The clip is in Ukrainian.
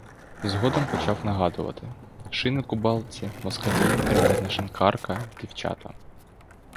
Згодом почав нагадувати: шинок у балці, москалі, кремезна шинкарка, дівчата.